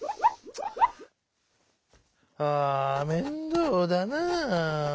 あ面倒だなぁ。